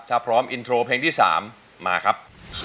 ถ้าพร้อมอินโทรเพลงที่๓มาครับ